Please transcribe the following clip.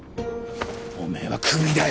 おめぇはクビだよ。